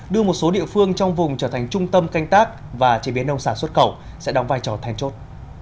đưa một số địa phương trong vùng trở thành trung tâm canh tác và chế biến nông sản xuất khẩu sẽ đóng vai trò then chốt